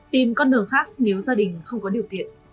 tìm con đường khác nếu gia đình không có điều kiện